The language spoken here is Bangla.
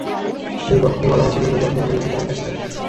দুই পক্ষকে বলা হয়েছে ডিপো যাঁর দখলে রয়েছে তাঁর কাছে থাকবে।